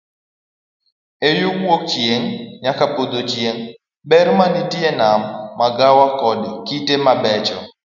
Eyo wuok chieng' nyaka podho chieng', ber mar tie nam, magawa koda kite mabecho.